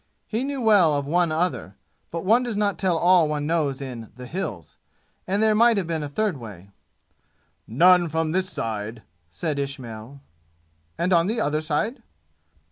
He knew well of one other, but one does not tell all one knows in the "Hills," and there might have been a third way. "None from this side," said Ismail. "And on the other side?"